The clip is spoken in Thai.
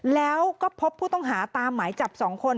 แล้วก็พบผู้ต้องหาตามหมายจับ๒คน